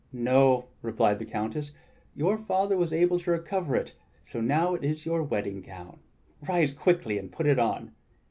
"No," replied the Countess, "your father was able to recover it; so now it is to be your wedding gown. Rise quickly and put it on."